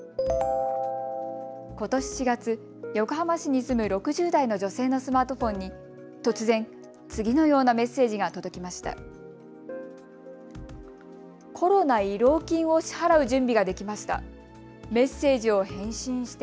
ことし４月、横浜市に住む６０代の女性のスマートフォンに突然、次のようなメッセージが届きました。